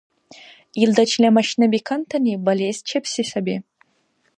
Илдачила машина бикантани балес чебси саби.